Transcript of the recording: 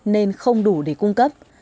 nên không đủ để cung cấp